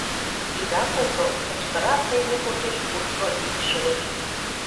Ида колто!.. — кычкыра презе почеш куржшо икшыве.